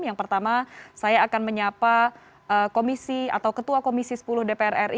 yang pertama saya akan menyapa komisi atau ketua komisi sepuluh dpr ri